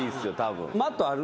マットある。